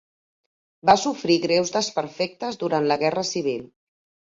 Va sofrir greus desperfectes durant la Guerra Civil.